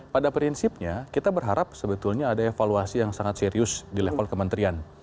pada prinsipnya kita berharap sebetulnya ada evaluasi yang sangat serius di level kementerian